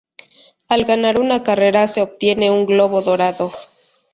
Al ganar una carrera, se obtiene un globo dorado.